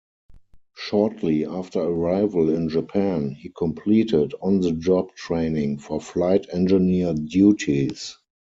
Shortly after arrival in Japan, he completed on-the-job training for flight engineer duties.